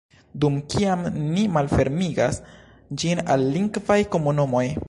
Dum kiam ni malfermigas ĝin al lingvaj komunumoj